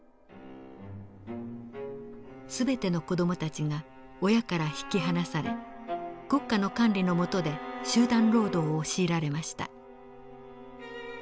全ての子どもたちが親から引き離され国家の管理のもとで集団労働を強いられました。